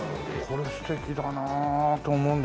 これ素敵だなあと思うんだけど。